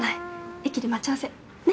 駅で待ち合わせね？